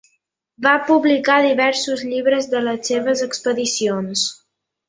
Va publicar diversos llibres de les seves expedicions.